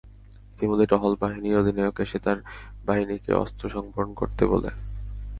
ইতোমধ্যে টহল বাহিনীর অধিনায়ক এসে তার বাহিনীকে অস্ত্র সংবরণ করতে বলে।